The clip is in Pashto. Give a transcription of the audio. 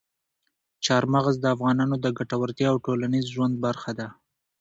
چار مغز د افغانانو د ګټورتیا او ټولنیز ژوند برخه ده.